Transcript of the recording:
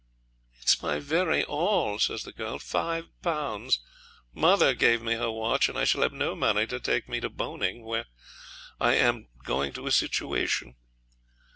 'It's my very all,' says the girl, 'five pounds. Mother gave me her watch, and I shall have no money to take me to Bowning, where I am going to a situation.'